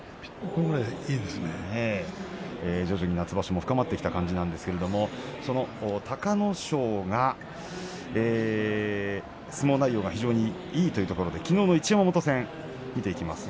本来と徐々に夏場所も深まってきた感じなんですがその隆の勝が相撲内容が非常にいいということできのうの一山本戦を見ていきます。